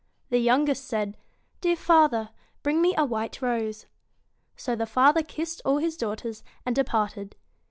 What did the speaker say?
The youngest said, 'Dear father, bring me a white rose.' So the father kissed all his daughters, and de parted.